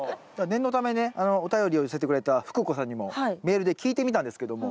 念のためねお便りを寄せてくれた福子さんにもメールで聞いてみたんですけども。